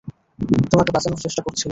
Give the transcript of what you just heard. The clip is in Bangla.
তোমাকে বাঁচানোর চেষ্টা করছিলাম।